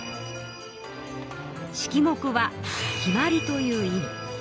式目は決まりという意味。